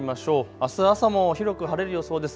あす朝も広く晴れる予想です。